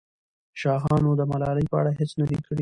شاهانو د ملالۍ په اړه هېڅ نه دي کړي.